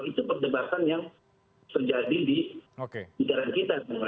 itu perdebatan yang terjadi di lingkaran kita